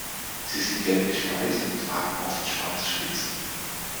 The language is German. Sie sind gelblich-weiß und tragen oft schwarze Spitzen.